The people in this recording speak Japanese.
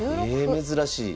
え珍しい。